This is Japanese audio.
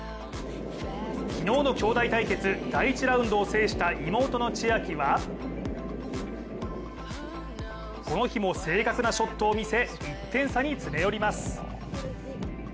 昨日の兄妹対決第１ラウンドを制した妹の千秋はこの日も正確なショットを見せ、１点差に詰め寄ります。